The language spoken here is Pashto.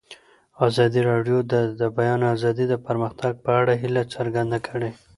ازادي راډیو د د بیان آزادي د پرمختګ په اړه هیله څرګنده کړې.